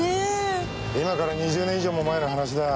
今から２０年以上も前の話だ